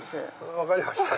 分かりました。